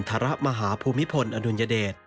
พระปรมิณฑระมหาภูมิผลอนุญเดช